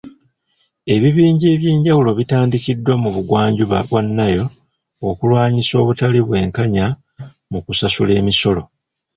Ebibinja eby'enjawulo bitandikiddwa mu bugwanjuba bwa Nile okulwanyisa obutali bwekanya mu kusasula emisolo.